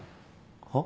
はっ？